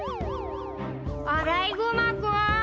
アライグマくん！